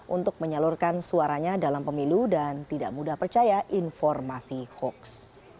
untuk menyalurkan suaranya dalam pemilu dan tidak mudah percaya informasi hoax